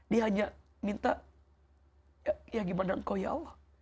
dia hanya minta ya gimana engkau ya allah